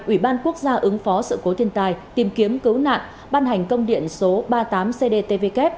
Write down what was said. ủy ban quốc gia ứng phó sự cố thiên tai tìm kiếm cứu nạn ban hành công điện số ba mươi tám cdtvk